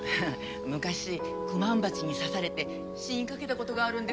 昔クマンバチに刺されて死にかけたことがあるんです。